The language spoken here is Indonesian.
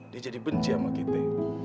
dia jadi benci sama kita